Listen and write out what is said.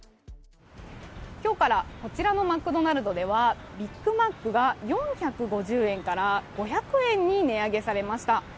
今日からこちらのマクドナルドでは、ビッグマックが４５０円から５００円に値上げされました。